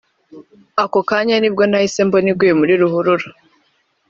ako kanya nibwo nahise mbona iguye muri ruhurura